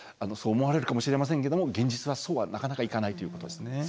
そう思われるかもしれませんけども現実はそうはなかなかいかないということなんですね。